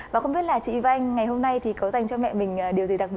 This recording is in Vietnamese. bác sĩ nguyễn hoàng quân